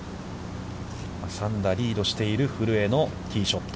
３打リードしている古江のティーショット。